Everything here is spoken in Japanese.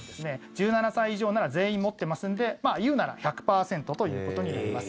１７歳以上なら全員持ってますんで言うなら１００％ということになります。